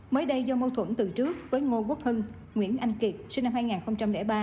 mới đây do mâu thuẫn từ trước với ngô quốc hưng nguyễn anh kiệt sinh năm hai nghìn ba